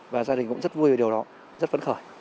và gia đình cũng rất vui về điều đó rất phấn khởi